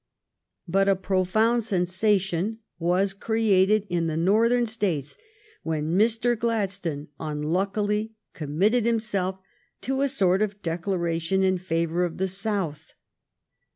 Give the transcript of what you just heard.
But a profound sensation was created in the Northern States when Mr. Gladstone unluckily committed himself to a sort of declaration in favor of the South.